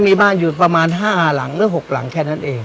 มีบ้านอยู่ประมาณ๕หลังหรือ๖หลังแค่นั้นเอง